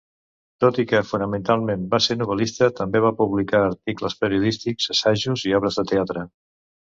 Tot i que fonamentalment va ser novel·lista, també va publicar articles periodístics, assajos i obres de teatre.